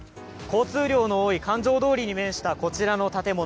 交通量の多い環状通に面したこちらの建物。